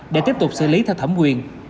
để tiếp tục xử lý theo thẩm quyền